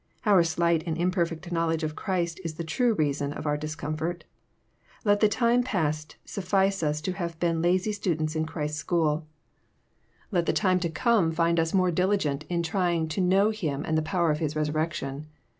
Our slight and imperfect knowledge of Christ is the true reason of our discomfort. Let the time past sufilce us to have been lazy students in Christ's school ; let the time to come find JOHN, CHAP. XI. 257 118 more diligent in trying to " kn ow Hi m and the power of His resurrection."